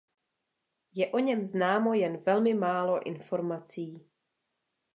Je o něm známo jen velmi málo informací.